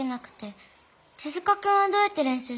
手塚くんはどうやってれんしゅうしてるの？